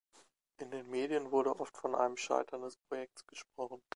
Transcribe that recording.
In den Medien wurde oft von einem Scheitern des Projekts gesprochen.